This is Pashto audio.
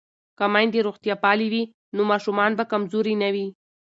که میندې روغتیا پالې وي نو ماشومان به کمزوري نه وي.